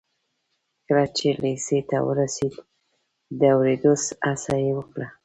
کله چې لېسې ته ورسېد د اورېدو هڅه یې وکړه